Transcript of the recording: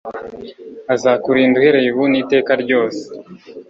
azakurinda uhereye ubu n'iteka ryose